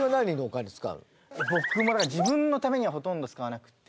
僕もだから自分のためにはほとんど使わなくって。